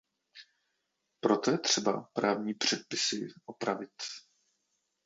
Proto je třeba právní předpisy opravit.